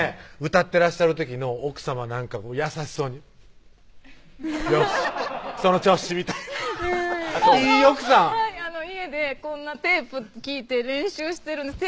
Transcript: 歌ってらっしゃる時の奥さま優しそうに「よしその調子」みたいないい奥さんはい家でこんなテープ聴いて練習してるんです